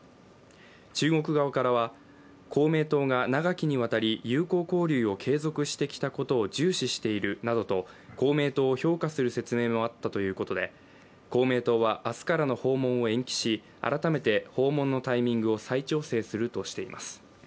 中国側からは、公明党が長きにわたり友好交流を継続してきたことを重視しているなどと公明党を評価する説明もあったということで公明党は明日からの訪問を延期し、改めて訪問のタイミングを再調整するとしています。